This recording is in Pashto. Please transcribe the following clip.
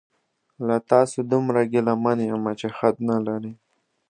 له تاسو دومره ګیله من یمه چې حد نلري